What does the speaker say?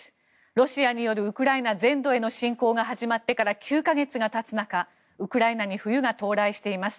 ロシアによるウクライナ全土への侵攻が始まってから９か月がたつ中、ウクライナに冬が到来しています。